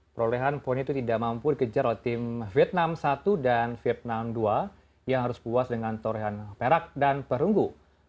perolehan poin itu tidak mampu dikejar oleh tim vietnam satu dan vietnam dua yang harus puas dengan torehan perak dan perunggu